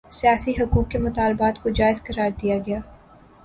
سیاسی حقوق کے مطالبات کوجائز قرار دیا گیا